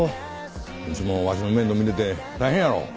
いつもわしの面倒見てて大変やろ。